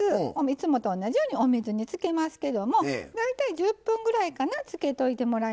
いつもと同じようにお水につけますけども大体１０分ぐらいかなつけといてもらいますね。